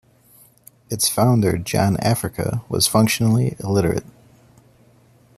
Its founder, John Africa, was functionally illiterate.